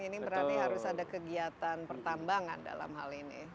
ini berarti harus ada kegiatan pertambangan dalam hal ini